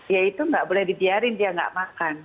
ya itu gak boleh dibiarin dia gak makan